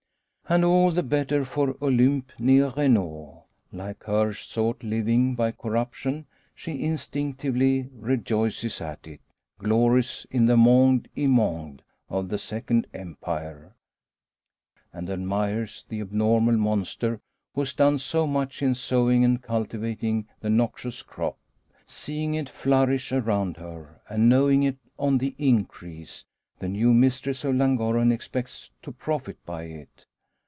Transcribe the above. And all the better for Olympe, nee Renault. Like her sort living by corruption, she instinctively rejoices at it, glories in the monde immonde of the Second Empire, and admires the abnormal monster who has done so much in sowing and cultivating the noxious crop. Seeing it flourish around her, and knowing it on the increase, the new mistress of Llangorren expects to profit by it.